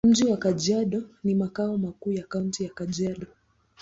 Mji wa Kajiado ni makao makuu ya Kaunti ya Kajiado.